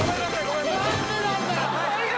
何でなんだよ